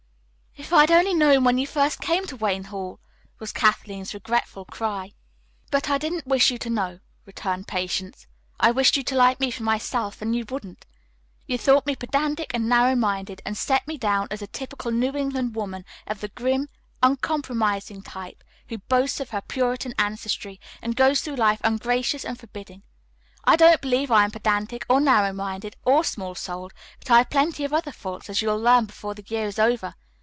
"If I had only known when first you came to Wayne Hall," was Kathleen's regretful cry. "But I didn't wish you to know," returned Patience. "I wished you to like me for myself, and you wouldn't. You thought me pedantic and narrow minded, and set me down as a typical New England woman of the grim, uncompromising type, who boasts of her Puritan ancestry, and goes through life ungracious and forbidding. I don't believe I am pedantic or narrow minded or small souled, but I have plenty of other faults, as you'll learn before the year is over.